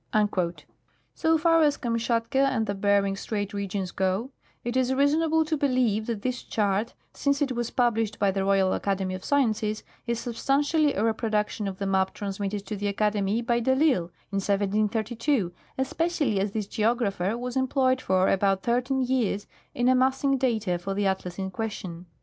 So far as Kamshatka and the Bering strait regions go, it is reasonable to believe that this chart, since it was published by the Royal Academy of Sciences, is substantially a reproduction of the map transmitted to the Academy by de I'Isle in 1732, especially as this geographer was employed for about thirteen years in amassing data for the atlas in question.